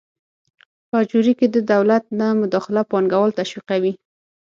په اجورې کې د دولت نه مداخله پانګوال تشویقوي.